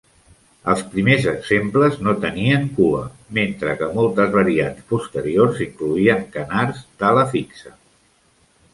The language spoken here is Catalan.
Els primers exemples no tenien cua, mentre que moltes variants posteriors incloïen canards d"ala fixa.